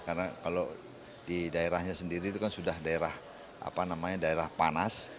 karena kalau di daerahnya sendiri itu kan sudah daerah apa namanya daerah panas